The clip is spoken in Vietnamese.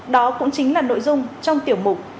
đó cũng chính là nội dung trong tiểu mục